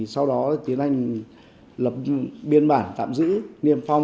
sau đó tiến hành lập biên bản tạm giữ niêm phong